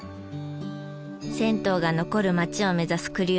銭湯が残る町を目指す栗生さん。